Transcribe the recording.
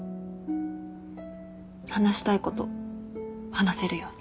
話したいこと話せるように。